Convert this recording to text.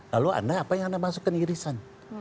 lalu anda apa yang anda masukkan irisan